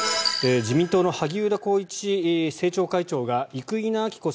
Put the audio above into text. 自民党の萩生田光一政調会長が生稲晃子